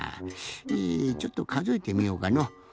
えちょっとかぞえてみようかの。